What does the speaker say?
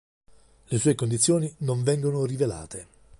Le sue condizioni non vengono rivelate.